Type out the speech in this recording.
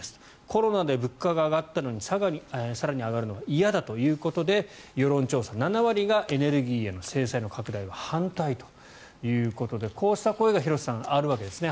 コロナで物価が上がったのに更に上がるのが嫌だということで世論調査、７割がエネルギーへの制裁の拡大は反対ということでこうした声があるわけですね。